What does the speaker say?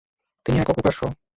তিনি একক উপাস্য।